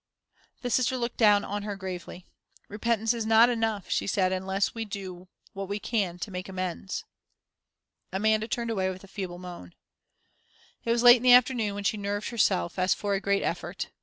The Sister looked down at her gravely. "Repentance is not enough," she said, "unless we do what we can to make amends." Amanda turned away with a feeble moan. It was late in the afternoon when she nerved herself, as for a great effort.